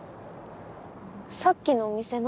さっきのお店の？